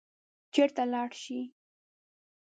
چېرته لاړ شي.